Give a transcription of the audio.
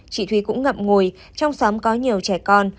chị thúy cũng ngậm ngùi trong xóm có nhiều trẻ con